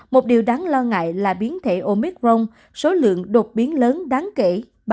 một điều đáng lo ngại là biến thể omicron số lượng đột biến lớn đáng kể ba mươi hai